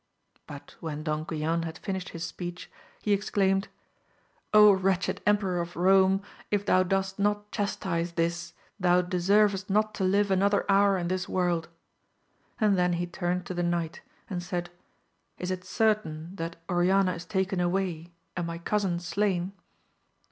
But when Don Guilan had finished his speech he exclaimed, wretched Emperor of Eome, if thou dost 144 AMADIS OF GAUL. not chastise this, thou deservest not to live another hour in this world ! and then he turned to the knight and said, Is it certain that Oriana is taken away and my cousin slain